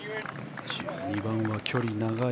１２番は距離が長い